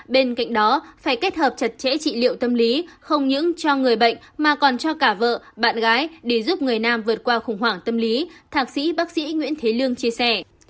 bên cạnh đó phải kết hợp chặt chẽ trị liệu tâm lý không những cho người bệnh mà còn cho cả vợ bạn gái để giúp người nam vượt qua khủng hoảng tâm lý thạc sĩ bác sĩ nguyễn thế lương chia sẻ